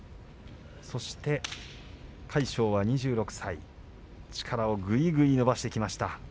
そして魁勝は２６歳力をぐいぐい伸ばしてきました。